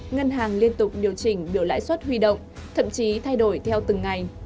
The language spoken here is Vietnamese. ngân hàng liên tục điều chỉnh biểu lãi suất huy động thậm chí thay đổi theo từng ngày